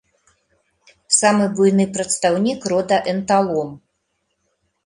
Самы буйны прадстаўнік рода энталом.